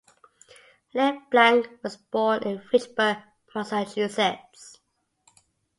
LeBlanc was born in Fitchburg, Massachusetts.